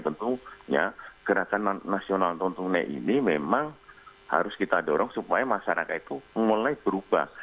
tentunya gerakan nasional non tunai ini memang harus kita dorong supaya masyarakat itu mulai berubah